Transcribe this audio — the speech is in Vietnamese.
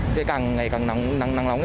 sẽ càng ngày càng nắng nóng